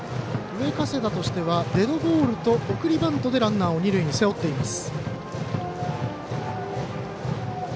上加世田としてはデッドボールと送りバントでランナーを二塁に背負っています。